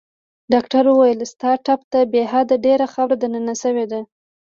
ډاکټر وویل: ستا ټپ ته بې حده ډېره خاوره دننه شوې ده.